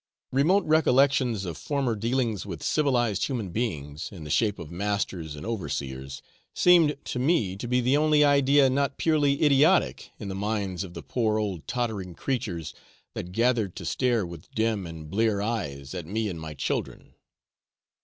Remote recollections of former dealings with civilised human beings, in the shape of masters and overseers, seemed to me to be the only idea not purely idiotic in the minds of the poor old tottering creatures that gathered to stare with dim and blear eyes at me and my children.